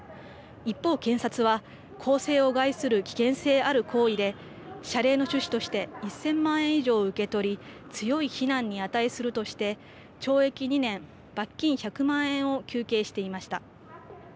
一方、検察は公正を害する危険性ある行為で謝礼の趣旨として１０００万円以上を受け取り、強い非難に値するとして懲役２年、罰金１００万円を求刑していました。